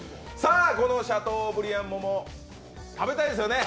このシャトーブリアン桃、食べたいですよね？